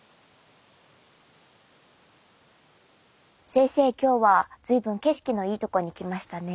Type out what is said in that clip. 先生今日は随分景色のいいとこに来ましたね。